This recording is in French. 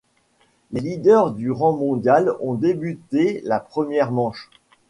Les leaders du rang mondial ont débuté la première manche.